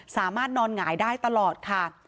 สามารถนอนหงายได้ตลอดค่ะ